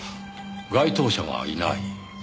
該当者がいない。